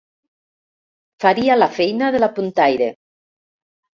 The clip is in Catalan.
Faria la feina de la puntaire.